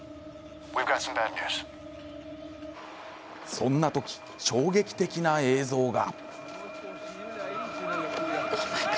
そんな時、衝撃的な映像が。